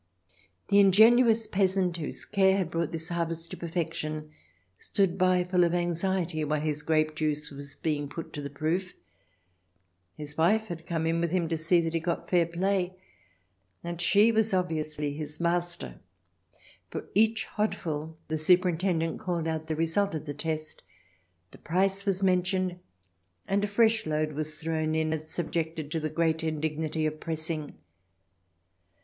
The ingenuous peasant, whose care had brought this harvest to perfection, stood by, full of anxiety while his grape juice was being put to the proof. His wife had come in with him to see that he got 3i6 THE DESIRABLE ALIEN [ch. xxi fair play, and she was obviously his master. For each hodful the superintendent called out the result of the test, the price was mentioned, and a fresh load was thrown in and subjected to the great indignity of pressing.